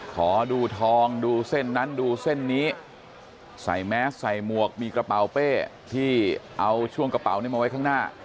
ขอดูทองดูเส้นนั้นดูเส้นนี้ใส่แมสใส่หมวกมีกระเป๋าเป้ที่เอาช่วงกระเป๋านี้มาไว้ข้างหน้า